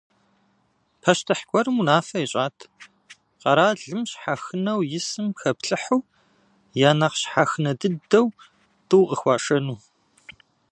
Пащтыхь гуэрым унафэ ищӏат: къэралым щхьэхынэу исым хэплъыхьу я нэхъ щхьэхынэ дыдэу тӏу къыхуашэну.